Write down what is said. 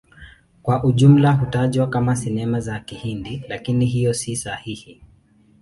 Kwa ujumla hutajwa kama Sinema za Kihindi, lakini hiyo si sahihi.